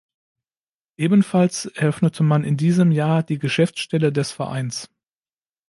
Ebenfalls eröffnete man in diesem Jahr die Geschäftsstelle des Vereins.